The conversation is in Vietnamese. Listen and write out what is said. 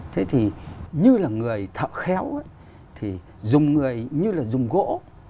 thế thì như là người khéo thì dùng người như là dùng gỗ